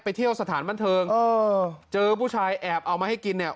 เที่ยวสถานบันเทิงเออเจอผู้ชายแอบเอามาให้กินเนี่ย